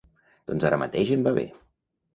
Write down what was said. Doncs ara mateix em va bé.